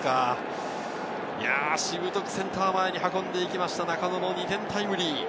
しぶとくセンター前に運んでいきました、中野の２点タイムリー。